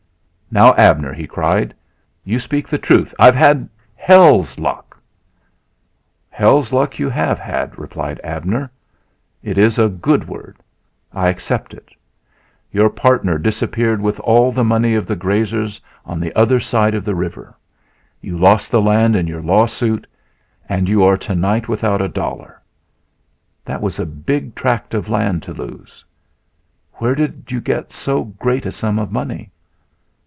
"Now, Abner," he cried, "you speak the truth; I have had hell's luck." "Hell's luck you have had," replied Abner. "It is a good word. I accept it. Your partner disappeared with all the money of the grazers on the other side of the river; you lost the land in your lawsuit; and you are tonight without a dollar. That was a big tract of land to lose. Where did you get so great a sum of money?"